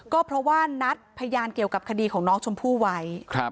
ก็เพราะว่านัดพยานเกี่ยวกับคดีของน้องชมพู่ไว้